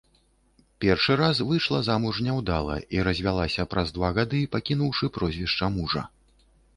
Першы раз выйшла замуж няўдала і развялася праз два гады, пакінуўшы прозвішча мужа.